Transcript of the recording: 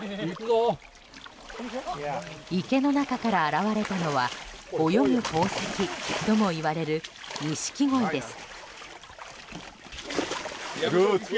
池の中から現れたのは泳ぐ宝石ともいわれるニシキゴイです。